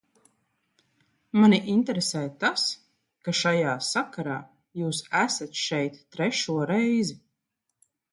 Mani interesē tas, ka šajā sakarā jūs esat šeit trešo reizi.